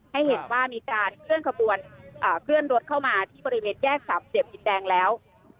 ให้เห็นว่ามีการเคลื่อนขบวนเคลื่อนรถเข้ามาที่บริเวณแยกสามเหลี่ยมดินแดงแล้ว